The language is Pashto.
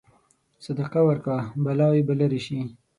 صدقه ورکوه، بلاوې به لرې شي.